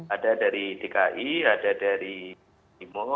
ada dari dki ada dari bimo